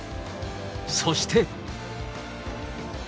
そして。